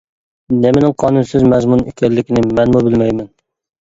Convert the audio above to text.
نېمىنىڭ قانۇنسىز مەزمۇن ئىكەنلىكىنى مەنمۇ بىلمەيمەن.